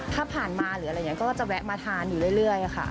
ถ้าผ่านมาหรืออะไรอย่างนี้ก็จะแวะมาทานอยู่เรื่อยค่ะ